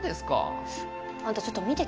あんたちょっと見てきてよ。